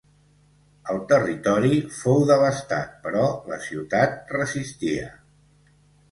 El territori fou devastat però la ciutat resistia.